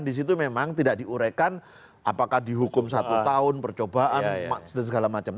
disitu memang tidak diurekan apakah dihukum satu tahun percobaan dan segala macam